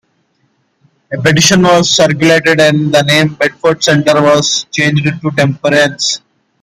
A petition was circulated and the name Bedford Center was changed to Temperance.